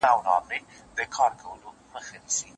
.د ساندو له کوګله زمزمې دي چي راځي